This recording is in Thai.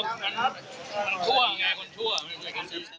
คนชั่วคนชั่ว